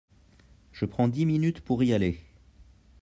Je prends dix minutes pour y aller.